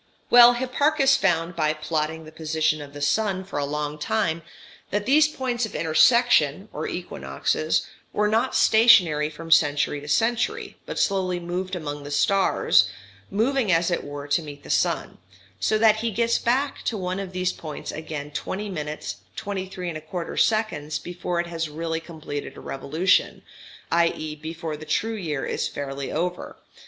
Well, Hipparchus found, by plotting the position of the sun for a long time, that these points of intersection, or equinoxes, were not stationary from century to century, but slowly moved among the stars, moving as it were to meet the sun, so that he gets back to one of these points again 20 minutes 23 1/4 seconds before it has really completed a revolution, i.e. before the true year is fairly over.